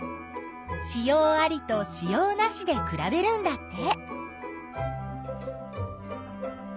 子葉ありと子葉なしでくらべるんだって。